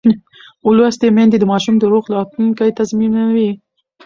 لوستې میندې د ماشوم روغ راتلونکی تضمینوي.